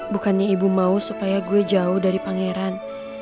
bukannya ibu mau supaya gue jauh dari pangeran